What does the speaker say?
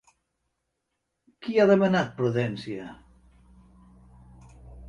Qui ha demanat prudència?